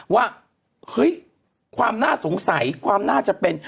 ว่าเฮ้ยความน่าสงสัยความน่าจะเป็น